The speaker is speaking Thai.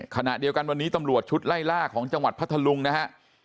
ขณะเดียวกันวันนี้ตำรวจชุดไล่ล่าของจังหวัดพัทธลุงนะฮะ